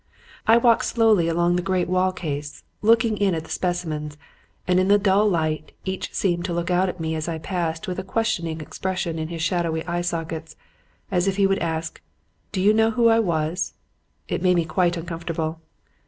I walked slowly along the great wall case, looking in at the specimens; and in the dull light, each seemed to look out at me as I passed with a questioning expression in his shadowy eye sockets, as if he would ask, "Do you know who I was?" It made me quite uncomfortable.